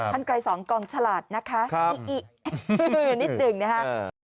ท่านกลายสองกองฉลาดนะคะนิดหนึ่งนะคะ